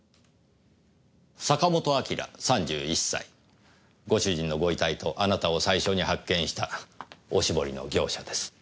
坂本明３１歳ご主人のご遺体とあなたを最初に発見したおしぼりの業者です。